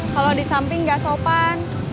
kalau di samping gak sopan